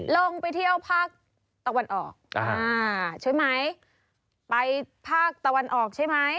ลงไปเที่ยวภาคตะวันออกใช่ไหมไปภาคตะวันออกใช่ไหม